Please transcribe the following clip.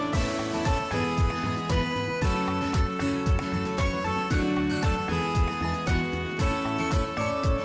สวัสดีครับ